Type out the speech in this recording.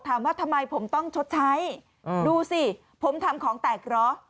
ถามว่าทำไมผมต้องชดใช้ดูสิผมทำของแตกเหรอ